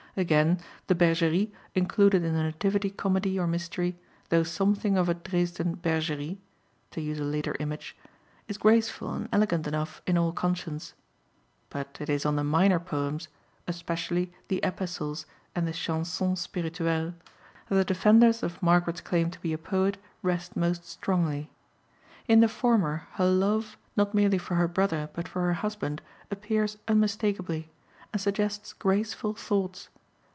Again, the Bergerie included in the Nativity comedy or mystery, though something of a Dresden Bergerie (to use a later image), is graceful and elegant enough in all conscience. But it is on the minor poems, especially the Epistles and the Chansons Spirituelles, that the defenders of Margaret's claim to be a poet rest most strongly. In the former her love, not merely for her brother, but for her husband, appears unmistakably, and suggests graceful thoughts.